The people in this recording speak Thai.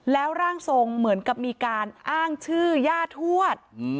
แล้วร่างทรงเหมือนกับมีการอ้างชื่อย่าทวด